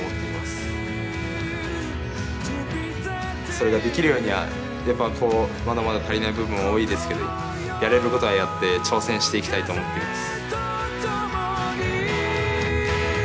それができるようにはやっぱこうまだまだ足りない部分は多いですけどやれることはやって挑戦していきたいと思っています。